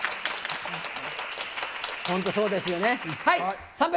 本当そうですよね。